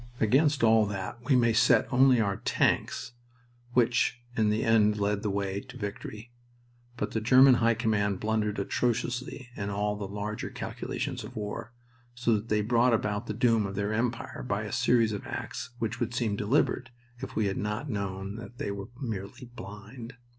Against all that we may set only our tanks, which in the end led the way to victory, but the German High Command blundered atrociously in all the larger calculations of war, so that they brought about the doom of their empire by a series of acts which would seem deliberate if we had not known that they were merely blind.